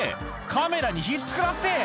「カメラにひっつくなって！」